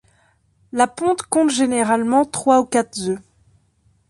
La ponte compte généralement trois ou quatre œufs.